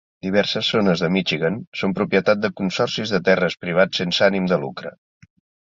Diverses zones de Michigan són propietat de consorcis de terres privats sense ànim de lucre.